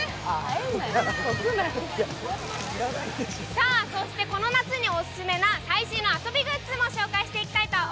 さあ、そしてこの夏にオススメな最新の遊びグッズも紹介していきます。